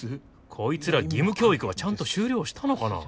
こいつら義務教育はちゃんと終了したのかな？